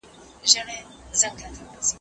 پولیس په پېښه پسې ګرځي.